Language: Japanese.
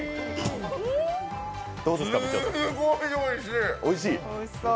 すーごーいおいしい。